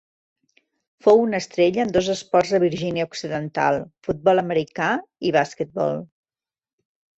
Fou una estrella en dos esports a Virgínia Occidental, futbol americà i basquetbol.